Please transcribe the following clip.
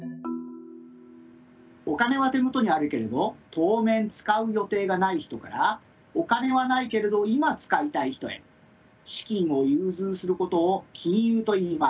お金は手元にあるけれど当面使う予定がない人からお金はないけれど今使いたい人へ資金を融通することを金融といいます。